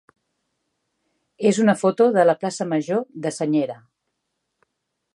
és una foto de la plaça major de Senyera.